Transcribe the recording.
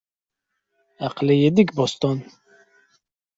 Aql-iyi deg Boston.